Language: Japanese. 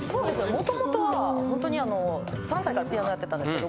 元々はほんとに３歳からピアノやってたんですけど。